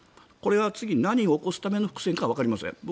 これが次、何を起こすための伏線かはわかりません。